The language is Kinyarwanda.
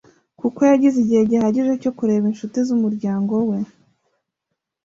kuko yagize igihe gihagije cyo kureba inshuti z’umuryango we